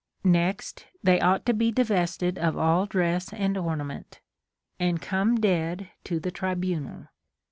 Next they ought to be divested of all dress and ornament, and come dead to the tribunal.